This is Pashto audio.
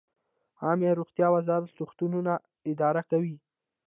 عامې روغتیا وزارت روغتونونه اداره کوي